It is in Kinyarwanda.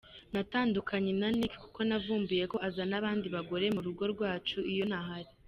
Natandukanye na Nick kuko navumbuye ko azana abandi bagore mu rugo rwacu iyo ntahari.